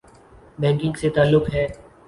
Banking سے تعلق ہے۔